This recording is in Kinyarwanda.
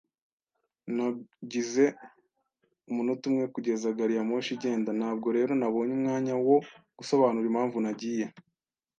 Nagize umunota umwe kugeza gari ya moshi igenda, ntabwo rero nabonye umwanya wo gusobanura impamvu nagiye.